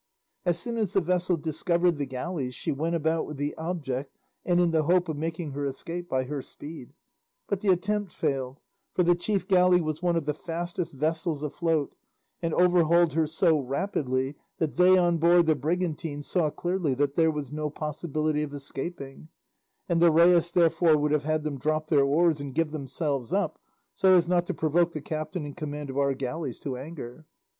As soon as the vessel discovered the galleys she went about with the object and in the hope of making her escape by her speed; but the attempt failed, for the chief galley was one of the fastest vessels afloat, and overhauled her so rapidly that they on board the brigantine saw clearly there was no possibility of escaping, and the rais therefore would have had them drop their oars and give themselves up so as not to provoke the captain in command of our galleys to anger.